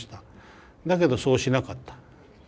だけどそうしなかった。